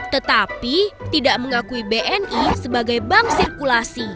tetapi tidak mengakui bni sebagai bank sirkulasi